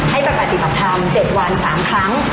ให้ไปปฏิบัติธรรม๗วัน๓ครั้ง